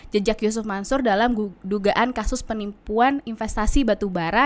jejak yusuf mansur dalam dugaan kasus penipuan investasi batubara